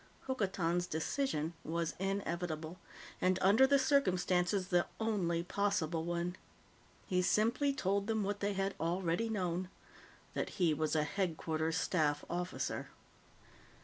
Hokotan's decision was inevitable, and, under the circumstances, the only possible one. He simple told them what they had already known that he was a Headquarters Staff officer.